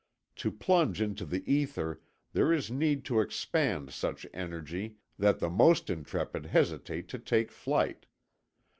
To plunge into the ether there is need to expend such energy that the most intrepid hesitate to take flight.